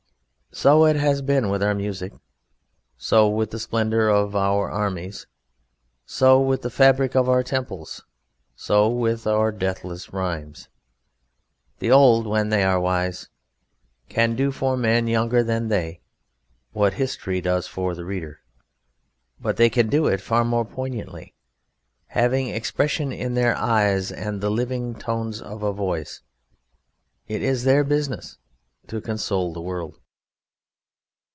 So it has been with our music, so with the splendour of our armies, so with the fabric of our temples, so with our deathless rhymes. The old, when they are wise, can do for men younger than they what history does for the reader; but they can do it far more poignantly, having expression in their eyes and the living tones of a voice. It is their business to console the world.